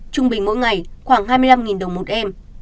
trung bình mỗi ngày khoảng hai mươi năm đồng một em